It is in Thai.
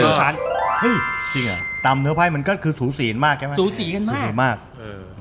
เฮ้ยจริงอ่ะตามเนื้อไพ่มันก็คือสูสีมากสูสีมากสูสีมากอือ